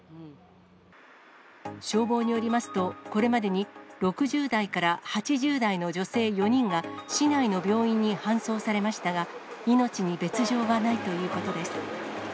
消防によりますと、これまでに６０代から８０代の女性４人が、市内の病院に搬送されましたが、命に別状はないということです。